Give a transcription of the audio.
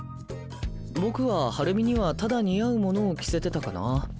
僕はハルミにはただ似合うものを着せてたかな。